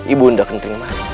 ibu undang kentingmu